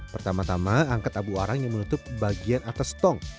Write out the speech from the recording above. pertama tama angkat abu arang yang menutup bagian atas tong